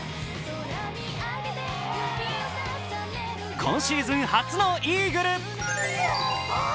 今シーズン初のイーグル。